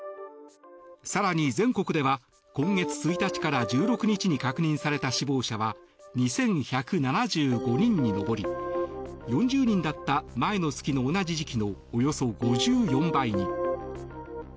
更に、全国では今月１日から１６日に確認された死亡者は２１７５人に上り４０人だった前の月の同じ時期のおよそ５４倍に。